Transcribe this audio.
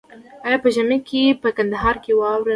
آیا په ژمي کې په کندهار کې واوره اوري؟